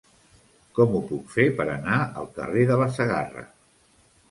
Com ho puc fer per anar al carrer de la Segarra?